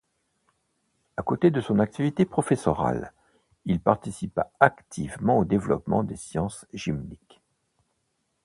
À côté de son activité professorale, il participa activement au développement des sciences gymniques.